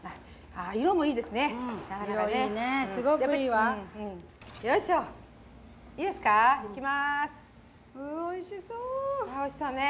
あおいしそうね。